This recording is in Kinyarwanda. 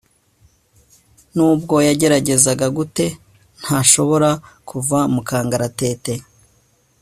nubwo yagerageza gute, ntashobora kuva mu kangaratete